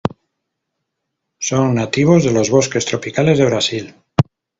Son nativos de los bosques tropicales de Brasil.